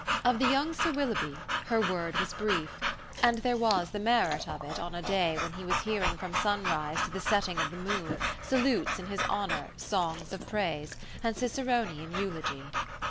Of the young Sir Willoughby, her word was brief; and there was the merit of it on a day when he was hearing from sunrise to the setting of the moon salutes in his honour, songs of praise and Ciceronian eulogy.